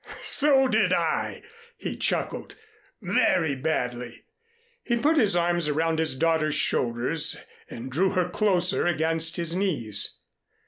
"So did I," he chuckled, "very badly." He put his arm around his daughter's shoulders and drew her closer against his knees.